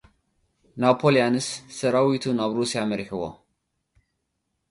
ናፖልዮን ሰራዊቱ ናብ ሩስያ መሪሕዎ።